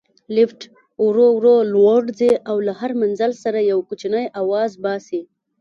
لفټ ورو ورو لوړ ځي او له هر منزل سره یو کوچنی اواز باسي.